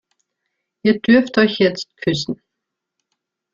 Ihr dürft euch jetzt küssen.